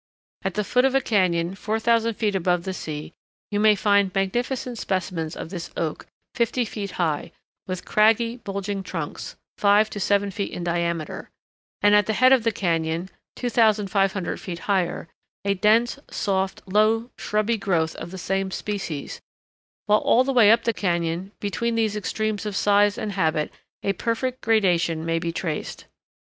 At the foot of a cañon 4000 feet above the sea you may find magnificent specimens of this oak fifty feet high, with craggy, bulging trunks, five to seven feet in diameter, and at the head of the cañon, 2500 feet higher, a dense, soft, low, shrubby growth of the same species, while all the way up the cañon between these extremes of size and habit a perfect gradation may be traced.